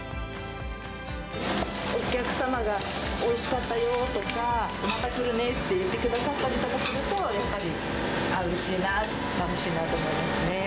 お客様が、おいしかったよとか、また来るねって言ってくださったりすると、やっぱりうれしいな、楽しいなと思いますね。